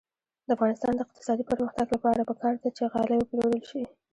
د افغانستان د اقتصادي پرمختګ لپاره پکار ده چې غالۍ وپلورل شي.